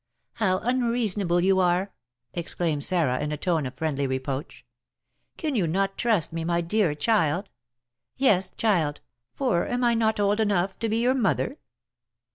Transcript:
"How unreasonable you are!" exclaimed Sarah, in a tone of friendly reproach. "Can you not trust me, my dear child? yes, child; for am I not old enough to be your mother?"